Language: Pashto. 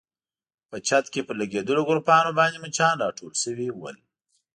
په چت کې پر لګېدلو ګروپانو باندې مچان راټول شوي ول.